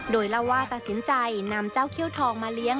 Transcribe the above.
โดยเล่าว่าตัดสินใจนำเจ้าเขี้ยวทองมาเลี้ยง